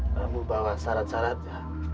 kamu bawa syarat syaratnya